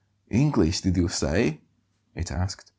"English, did you say?" it asked.